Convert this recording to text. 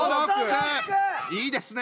いいですね